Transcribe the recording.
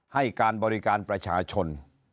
ให้การบริการประชาชน